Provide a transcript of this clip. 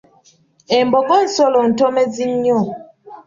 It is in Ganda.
Embogo nsolo ntomezi nnyo.